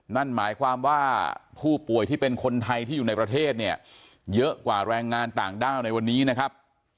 นั่นหมายความว่าผู้ป่วยที่เป็นคนไทยที่อยู่ในประเทศเนี่ยเยอะกว่าแรงงานต่างด้าวในวันนี้นะครับ